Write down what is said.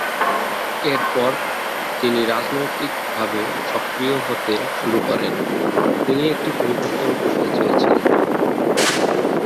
এরপর, তিনি রাজনৈতিকভাবে সক্রিয় হতে শুরু করেন, তিনি একটি পরিবর্তন করতে চেয়েছিলেন।